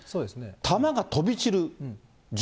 弾が飛び散る銃。